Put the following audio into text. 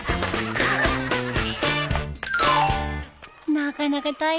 なかなか大変だね